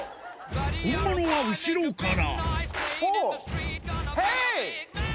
本物は後ろから。